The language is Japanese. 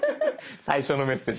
最初のメッセージ